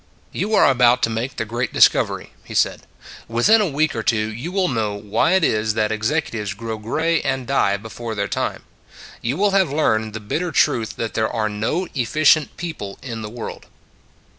u You are about to make the great dis covery," he said. " Within a week or two you will know why it is that executives grow gray and die before their time. You will have learned the bitter truth that there are no efficient people in the world."